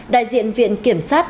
đại diện viện kiểm sát